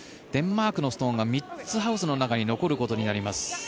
デンマークのストーンが３つハウスの中に残ることになります。